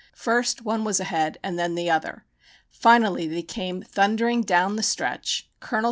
First one was ahead and then the other. Finally they came thundering down to the stretch, Col.